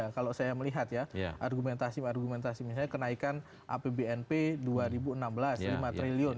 kalau saya melihat ya argumentasi argumentasi misalnya kenaikan apbnp dua ribu enam belas lima triliun